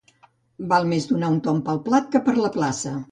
Val més donar un tomb pel plat que per la plaça.